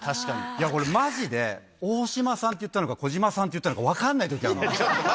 これ、まじで大嶋さんって言ったのか、児島さんって言ったのか、分かんないときあるの。